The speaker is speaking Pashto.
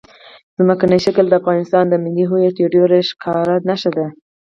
ځمکنی شکل د افغانستان د ملي هویت یوه ډېره ښکاره نښه ده.